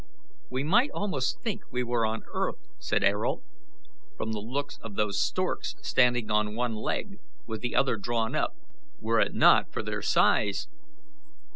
"We might almost think we were on earth," said Ayrault, "from the looks of those storks standing on one leg, with the other drawn up, were it not for their size."